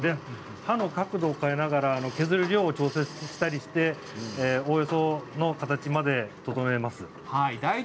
刃の角度を変えながら削る量を調整したりしておよその形まで整えています。